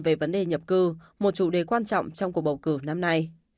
về vấn đề nhập cư một chủ đề quan trọng trong cuộc bầu cử năm nay